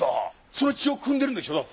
その血をくんでるんでしょ？